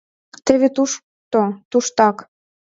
Теве тушто, туштак.